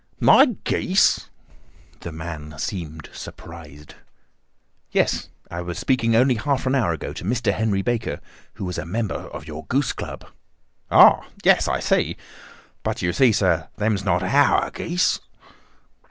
"My geese!" The man seemed surprised. "Yes. I was speaking only half an hour ago to Mr. Henry Baker, who was a member of your goose club." "Ah! yes, I see. But you see, sir, them's not our geese."